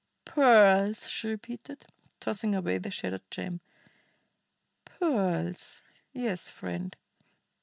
"Pearls?" she repeated, tossing away the shattered gem. "Pearls, yes, friend.